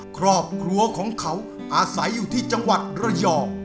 ครอบครัวของเขาอาศัยอยู่ที่จังหวัดระยอง